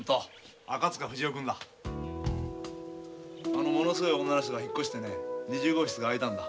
あのものすごい女の人が引っ越してね二十号室が空いたんだ。